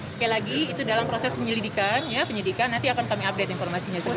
oke lagi itu dalam proses penyelidikan nanti akan kami update informasinya segera